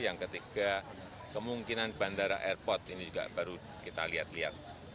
yang ketiga kemungkinan bandara airport ini juga baru kita lihat lihat